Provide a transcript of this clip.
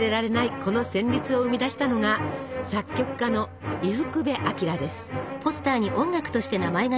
この旋律を生み出したのが作曲家の伊福部昭です。